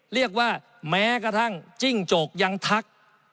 เรียกว่าแม้กระทั่งจิ้งจกยังทัก